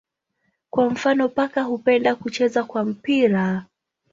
Kwa mfano paka hupenda kucheza kwa mpira.